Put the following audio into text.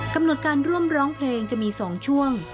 กำหนดการร่วมร้องเพลงจะมี๒ช่วง